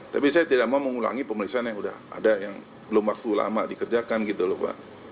tapi saya tidak mau mengulangi pemeriksaan yang sudah ada yang belum waktu lama dikerjakan gitu loh pak